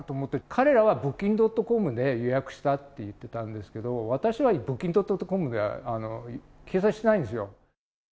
彼らはブッキング・ドットコムで予約したって言ってたんですけど、私はブッキング・ドットコムには掲載してないんですよ。